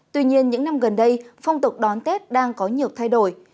tuy nhiên những năm gần đây phong tục đón tết đang có nhiều thay đổi